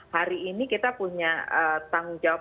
hari ini kita punya tanggung jawab